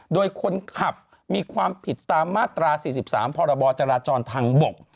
โดยคนขับมีความผิดตามมาตรา๔๓พรบจราจรทางบก